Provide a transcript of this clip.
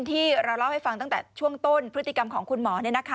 ที่เราเล่าให้ฟังตั้งแต่ช่วงต้นพฤติกรรมของคุณหมอ